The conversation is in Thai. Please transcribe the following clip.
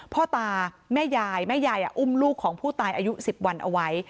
พ่อตาแม่ยายแม่ยายอุ้มลูกของผู้ตายอายุ๑๐วันเอาไว้